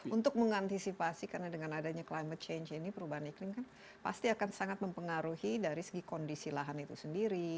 untuk mengantisipasi karena dengan adanya climate change ini perubahan iklim kan pasti akan sangat mempengaruhi dari segi kondisi lahan itu sendiri